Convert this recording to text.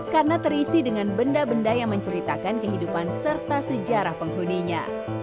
karena terisi dengan benda benda yang menceritakan kehidupan serta sejarah penghuninya